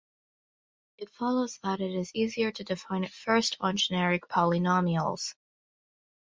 It follows that it is easier to define it first on generic polynomials.